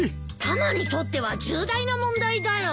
タマにとっては重大な問題だよ。